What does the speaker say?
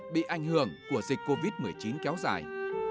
bị ảnh hưởng của dịch covid một mươi chín kéo dài